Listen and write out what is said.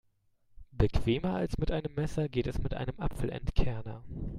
Bequemer als mit einem Messer geht es mit einem Apfelentkerner.